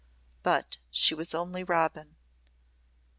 But she was only Robin.